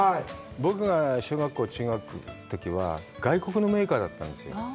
僕が小学校、中学校のときは外国のメーカーだったんですよ。